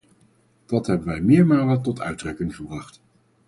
Dat hebben wij meermalen tot uitdrukking gebracht.